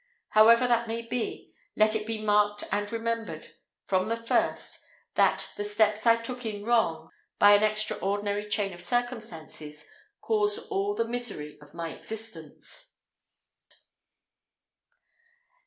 However that may be, let it be marked and remembered, from the first, that the steps I took in wrong, by an extraordinary chain of circumstances, caused all the misery of my existence.